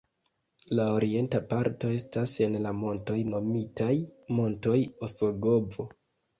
La orienta parto estas en la montoj nomitaj Montoj Osogovo.